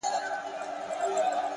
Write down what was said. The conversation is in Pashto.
هر منزل د ارادې ازموینه ده